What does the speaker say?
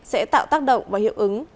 sẽ tạo tác động và hiệu ứng